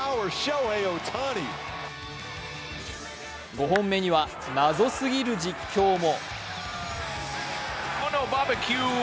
５本目には謎すぎる実況も。